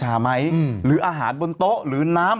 ไหมหรืออาหารบนโต๊ะหรือน้ำ